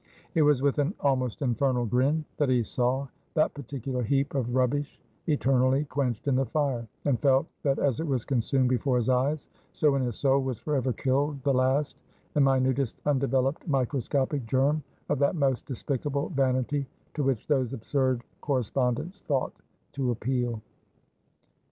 It was with an almost infernal grin, that he saw that particular heap of rubbish eternally quenched in the fire, and felt that as it was consumed before his eyes, so in his soul was forever killed the last and minutest undeveloped microscopic germ of that most despicable vanity to which those absurd correspondents thought to appeal.